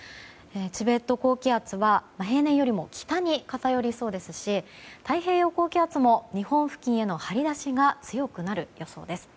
チベット高気圧は平年よりも北に偏りそうですし太平洋高気圧も日本付近への張り出しが強くなる予想です。